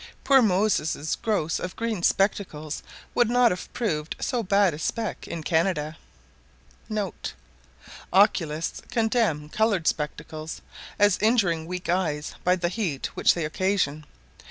Poor Moses' gross of green spectacles would not have proved so bad a spec. in Canada*. [* Oculists condemn coloured spectacles, as injuring weak eyes by the heat which they occasion.